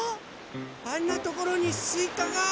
あんなところにすいかが！